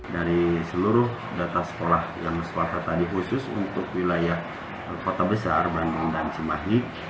dari seluruh data sekolah yang swasta tadi khusus untuk wilayah kota besar bandung dan cimahi